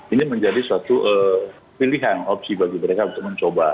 ini menjadi suatu pilihan opsi bagi mereka untuk mencoba